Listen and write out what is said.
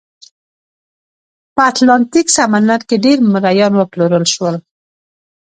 په اتلانتیک سمندر کې ډېر مریان وپلورل شول.